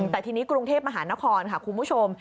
แต่ทีนี้กรุงเทพมหานครค่ะคุณผู้ชม